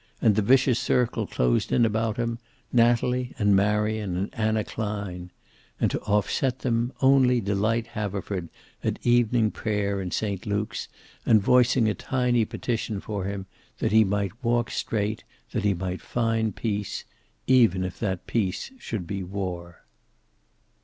And the vicious circle closed in about him, Natalie and Marion and Anna Klein. And to offset them, only Delight Haverford, at evening prayer in Saint Luke's, and voicing a tiny petition for him, that he might walk straight, that he might find peace, even if that peace should be war.